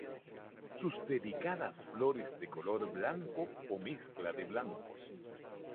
Sus delicadas flores de color blanco o mezcla de blancos.